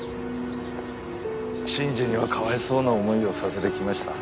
真治にはかわいそうな思いをさせてきました。